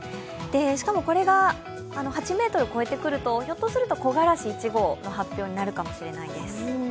しかもこれが８ｍを超えてくるとひょっとすると木枯らし１号の発表になるかもしれないです。